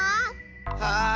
はい！